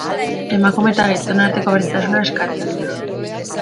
Emakume eta gizonen arteko berdintasuna eskatzen da.